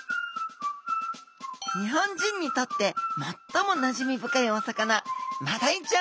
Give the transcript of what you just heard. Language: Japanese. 日本人にとってもっともなじみ深いお魚マダイちゃん。